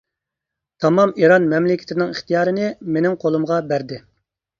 تامام ئىران مەملىكىتىنىڭ ئىختىيارىنى مېنىڭ قولۇمغا بەردى.